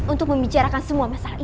untuk membicarakan semua masalah ini